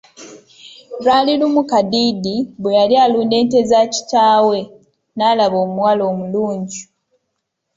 Lwali lumu Kadiidi bwe yali ng'alunda ente z'akitaawe, n'alaba omuwala omulungi.